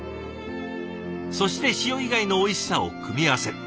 そして塩以外のおいしさを組み合わせる。